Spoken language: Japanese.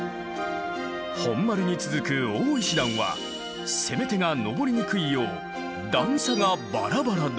本丸に続く大石段は攻め手が上りにくいよう段差がバラバラだ。